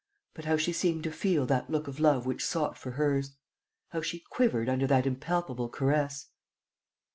But how she seemed to feel that look of love which sought for hers! How she quivered under that impalpable caress!